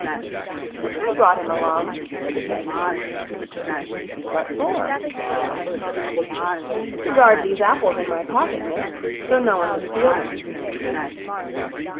"I brought him along," said the shaggy man. "What for?" she asked. "To guard these apples in my pocket, miss, so no one would steal them."